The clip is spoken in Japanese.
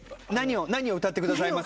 何を歌ってくださいますか？